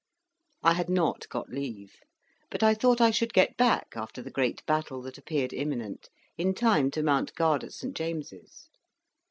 I had not got leave; but I thought I should get back, after the great battle that appeared imminent, in time to mount guard at St. James's.